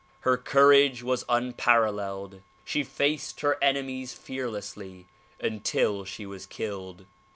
Her courage was unparalleled ; she faced her enemies fearlessly until she was killed.